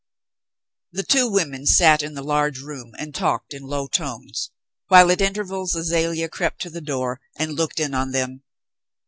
The two women sat in the large room and talked in low tones, while at intervals Azalea crept to the door and looked in on them.